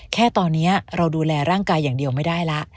แค่ตอนนี้เราดูแลร่างกายอย่างเดียวไม่ได้แล้ว